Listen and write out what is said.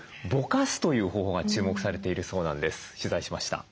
取材しました。